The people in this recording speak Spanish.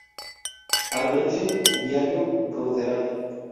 Arvense, viario, ruderal.